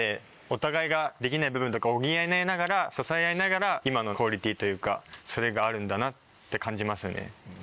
お互いができない部分とか補い合いながら支え合いながら今のクオリティーというかそれがあるんだなって感じますね。